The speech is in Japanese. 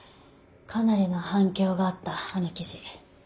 かなりの反響があったあの記事」。